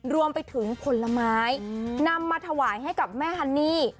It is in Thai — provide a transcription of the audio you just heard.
รวมไปถึงผลไม้นำมาถวายให้กับแม่ฮันนี่